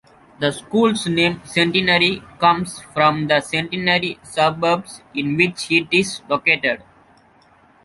The school's name "Centenary" comes from the Centenary suburbs in which it is located.